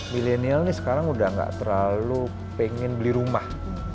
milenial ini sekarang udah gak terlalu pengen beli rumah